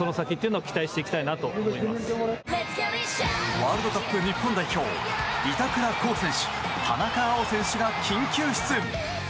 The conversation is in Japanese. ワールドカップ日本代表板倉滉選手、田中碧選手が緊急出演。